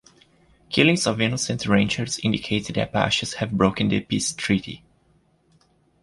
Killings of innocent ranchers indicate the Apaches have broken the peace treaty.